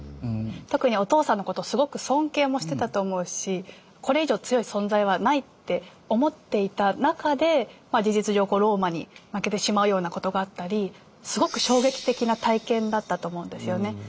特にお父さんのことをすごく尊敬もしてたと思うしこれ以上強い存在はないって思っていた中で事実上ローマに負けてしまうようなことがあったりすごく衝撃的な体験だったと思うんですよね。